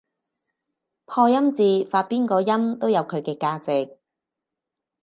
破音字發邊個音都有佢嘅價值